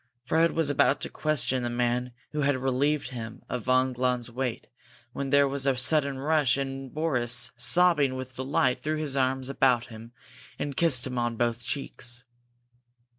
Fred was about to question the man who had relieved him of von Glahn's weight when there was a sudden rush, and Boris, sobbing with delight, threw his arms about him and kissed him on both cheeks.